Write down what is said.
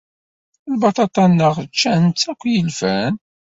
Lbaṭaṭa-nneɣ ččan-tt akk yilfan.